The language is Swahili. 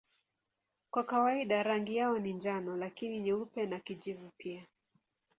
Kwa kawaida rangi yao ni njano lakini nyeupe na kijivu pia.